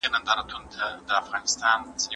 نو نومونه مو په انګلیسي دقیق ولیکئ.